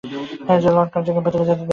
Lord কার্জনকে ভেতরে যেতে দেয়নি।